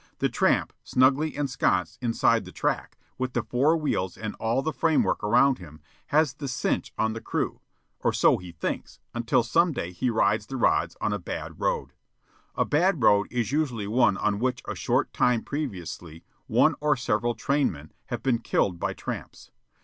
The tramp, snugly ensconced inside the truck, with the four wheels and all the framework around him, has the "cinch" on the crew or so he thinks, until some day he rides the rods on a bad road. A bad road is usually one on which a short time previously one or several trainmen have been killed by tramps.